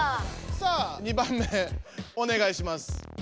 さあ２番目おねがいします。